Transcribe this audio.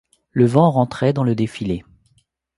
Le vent rentrait dans le défilé.